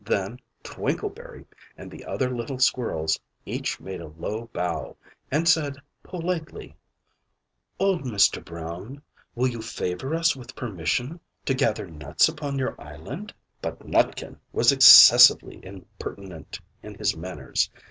Then Twinkleberry and the other little squirrels each made a low bow, and said politely "Old Mr. Brown, will you favour us with permission to gather nuts upon your island?" But Nutkin was excessively impertinent in his manners.